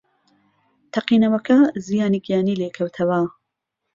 تەقینەوەکە زیانی گیانی لێکەوتەوە